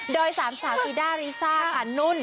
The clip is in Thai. โดยสามสามฮิด้ารีซ่าคันนุ่น